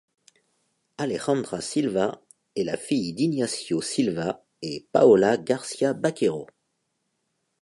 Alejandra Silva est la fille d’Ignacio Silva et Paola Garcia-Baquero.